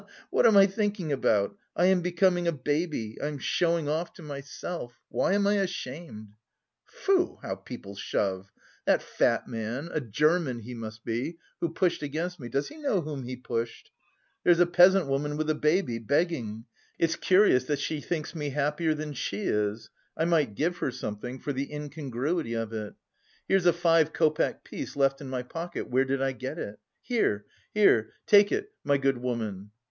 (Ha ha ha! What am I thinking about?) I am becoming a baby, I am showing off to myself; why am I ashamed? Foo! how people shove! that fat man a German he must be who pushed against me, does he know whom he pushed? There's a peasant woman with a baby, begging. It's curious that she thinks me happier than she is. I might give her something, for the incongruity of it. Here's a five copeck piece left in my pocket, where did I get it? Here, here... take it, my good woman!"